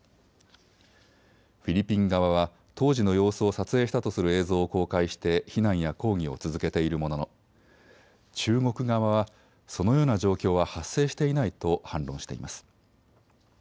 フィリピン側は当時の様子を撮影したとする映像を公開して非難や抗議を続けているものの中国側は、そのような状況は発生していないと反論しています。